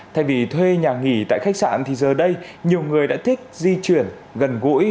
thay vì thuê nhà nghỉ tại khách sạn thì giờ đây nhiều người đã thích di chuyển gần gũi